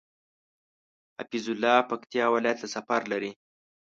حفيظ الله پکتيا ولايت ته سفر لري